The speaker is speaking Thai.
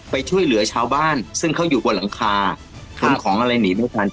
ไปช่วยเหลือชาวบ้านซึ่งเขาอยู่บนหลังคาพ้นของอะไรหนีไม่ทัน